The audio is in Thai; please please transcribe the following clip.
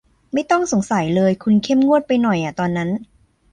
ไม่ต้องสงสัยเลย คุณเข้มงวดไปหน่อยอ่ะตอนนั้น